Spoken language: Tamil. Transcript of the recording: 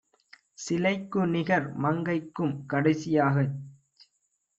சிலைக்குநிகர் மங்கைக்கும் "கடைசி யாகச்